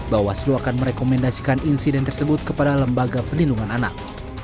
bawaslu akan merekomendasikan insiden tersebut kepada lembaga pelindungan anak